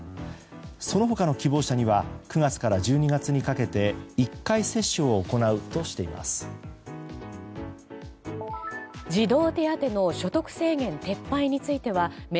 その他の希望者には９月から１２月にかけて１回接種を行うとしています。